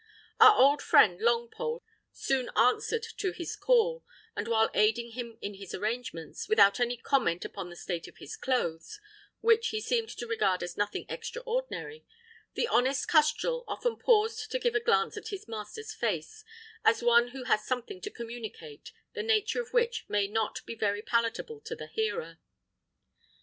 Our old friend Longpole soon answered to his call; and while aiding him in his arrangements, without any comment upon the state of his clothes, which he seemed to regard as nothing extraordinary, the honest custrel often paused to give a glance at his master's face, as one who has something to communicate, the nature of which may not be very palatable to the hearer.